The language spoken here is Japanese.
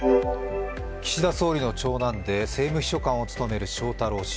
岸田総理の長男で政務秘書官を務める翔太郎氏。